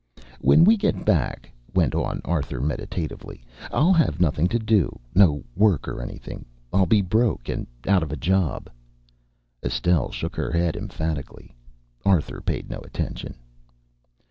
"When we get back," went on Arthur meditatively, "I'll have nothing to do no work or anything. I'll be broke and out of a job." Estelle shook her head emphatically. Arthur paid no attention.